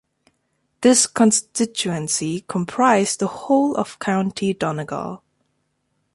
This constituency comprised the whole of County Donegal.